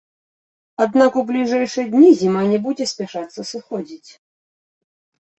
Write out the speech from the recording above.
Аднак у бліжэйшыя дні зіма не будзе спяшацца сыходзіць.